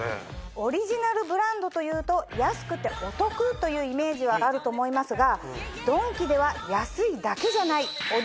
オリジナルブランドというと安くてお得というイメージはあると思いますがドンキでは安いだけじゃない。